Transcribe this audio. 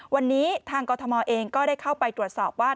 วันนี้ทางกรทมเองก็ได้เข้าไปตรวจสอบว่า